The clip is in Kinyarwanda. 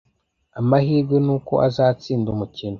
Amahirwe nuko azatsinda umukino